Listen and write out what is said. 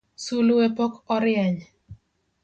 Sulwe pok orieny.